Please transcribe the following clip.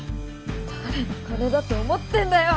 誰の金だと思ってんだよ！